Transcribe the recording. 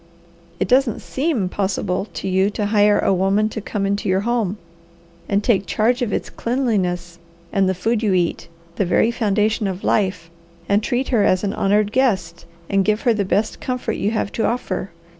It doesn't 'seem' possible to you to hire a woman to come into your home and take charge of its cleanliness and the food you eat the very foundation of life and treat her as an honoured guest, and give her the best comfort you have to offer.